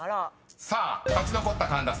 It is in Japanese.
さあ勝ち残った神田さん］